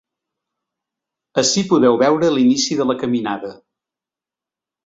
Ací podeu veure l’inici de la caminada.